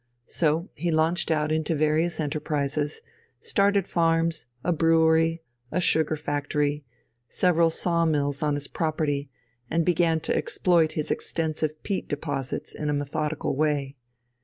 So he launched out into various enterprises, started farms, a brewery, a sugar factory, several saw mills on his property, and began to exploit his extensive peat deposits in a methodical way.